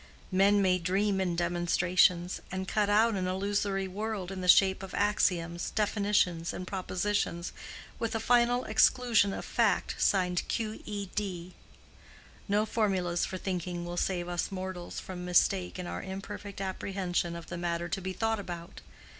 Men may dream in demonstrations, and cut out an illusory world in the shape of axioms, definitions, and propositions, with a final exclusion of fact signed Q.E.D. No formulas for thinking will save us mortals from mistake in our imperfect apprehension of the matter to be thought about.